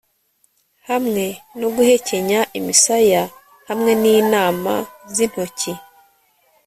Hamwe no guhekenya imisaya hamwe ninama zintoki